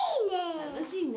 楽しいね。